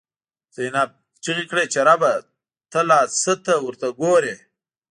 زینب ” چیغی کړی چی ربه، ته لا څه ته ورته ګوری”